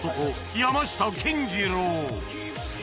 山下健二郎